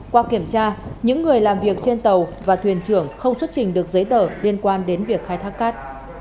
qua kiểm tra những người làm việc trên tàu và thuyền trưởng không xuất trình được giấy tờ liên quan đến việc khai thác cát